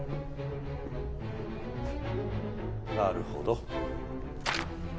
なるほど。